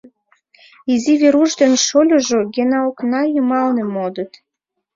Изи Веруш ден шольыжо Гена окна йымалне модыт.